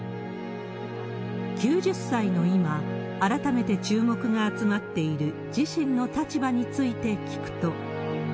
９０歳の今、改めて注目が集まっている自身の立場について聞くと。